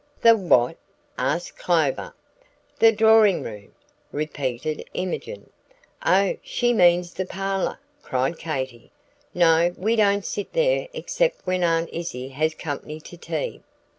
"The what?" asked Clover. "The drawing room," repeated Imogen. "Oh, she means the parlor!" cried Katy. "No, we don't sit there except when Aunt Izzie has company to tea.